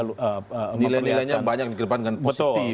nilai nilainya banyak dikeleponkan positif